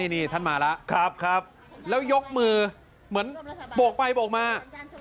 นี่ท่านมาแล้วครับแล้วยกมือเหมือนโบกไปโบกมา